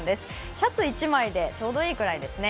シャツ１枚でちょうどいいくらいですね。